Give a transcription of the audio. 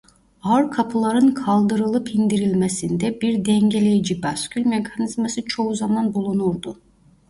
Ağır kapıların kaldırılıp indirilmesinde bir dengeleyici baskül mekanizması çoğu zaman bulunurdu.